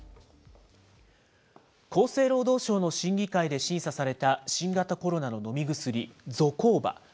厚生労働省の審議会で審査された新型コロナの飲み薬、ゾコーバ。